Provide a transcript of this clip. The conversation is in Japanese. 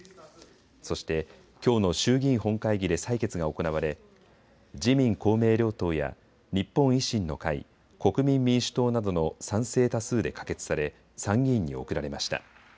そしてきょうの衆議院本会議で採決が行われ自民公明両党や日本維新の会、国民民主党などの賛成多数で可決され参議院に送られました。